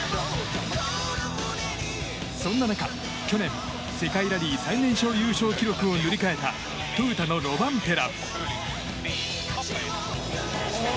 そんな中、去年、世界ラリー最年少優勝記録を塗り替えたトヨタのロバンペラ。